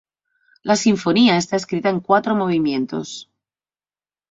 La sinfonía está escrita en cuatro movimientos.